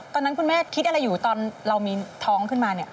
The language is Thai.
ตอนนั้นคุณแม่คิดอะไรอยู่ตอนเรามีท้องขึ้นมาเนี่ย